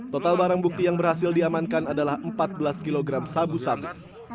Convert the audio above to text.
total barang bukti yang berhasil diamankan adalah empat belas kg sabu sabu